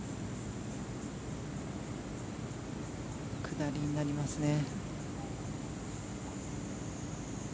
下りになりますね。